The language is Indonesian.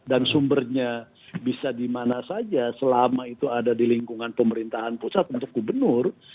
dan sumbernya bisa dimana saja selama itu ada di lingkungan pemerintahan pusat untuk gubernur